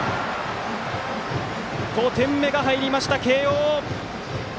５点目が入りました、慶応。